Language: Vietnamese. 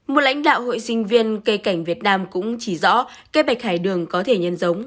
một lãnh đạo hội sinh viên cây cảnh việt nam cũng chỉ rõ kế hoạch hải đường có thể nhân giống